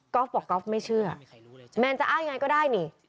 บอกก๊อฟไม่เชื่อแมนจะอ้างยังไงก็ได้นี่